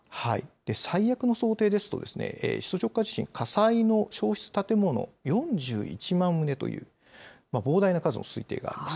最悪の想定ですと、首都直下地震、火災の焼失建物４１万棟という、膨大な数の推定があります。